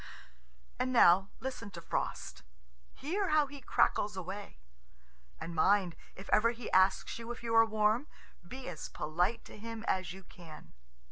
And now, listen to Frost. Hear how he crackles away! And mind, if ever he asks you if you are warm, be as polite to him as you can.